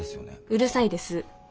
うるさいです。